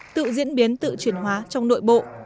tự diễn biến tự chuyển hóa trong nội bộ